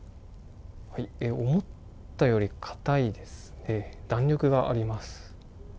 思ったより硬いですね、弾力があります。